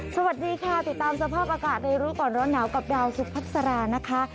สวัสดีค่ะติดตามสภาพอากาศในรู้ก่อนร้อนหนาวกับดาวสุพัสรานะคะ